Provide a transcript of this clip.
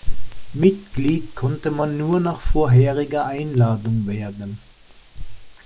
Mitglied konnte man nur nach vorheriger Einladung werden.